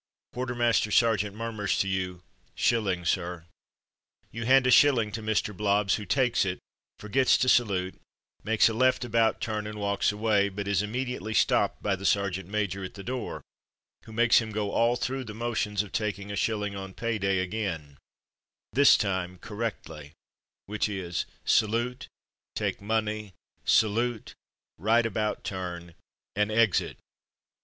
Quarter master sergeant murmurs to you, " shilling, sir." You hand a shilling to Mr. Blobbs, who takes it, forgets to salute, makes a left about turn, and walks away; but is immediately stopped by the sergeant major at the door, who makes him go all through the motions of taking a shilling on pay day again — this time correctly — which is : salute, take money, salute, right about turn, and exit.